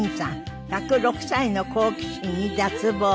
１０６歳の好奇心に脱帽。